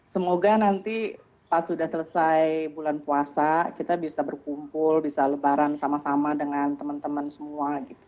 semoga nanti pas sudah selesai bulan puasa kita bisa berkumpul bisa lebaran sama sama dengan teman teman semua gitu